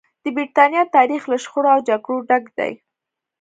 د برېټانیا تاریخ له شخړو او جګړو ډک دی.